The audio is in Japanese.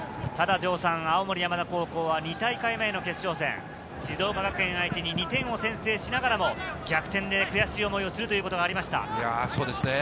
青森山田高校は２大会目の決勝戦、静岡学園相手に２点を先制しながらも、逆転で悔しい思いをするということがありました。